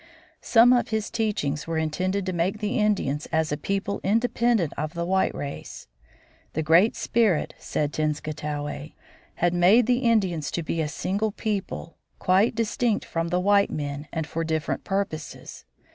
Some of his teachings were intended to make the Indians as a people independent of the white race. The Great Spirit, said Tenskwatawa, had made the Indians to be a single people, quite distinct from the white men and for different purposes.